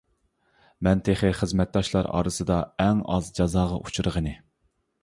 مەن تېخى خىزمەتداشلار ئارىسىدا ئەڭ ئاز جازاغا ئۇچرىغىنى.